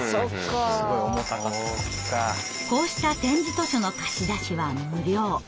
こうした点字図書の貸し出しは無料。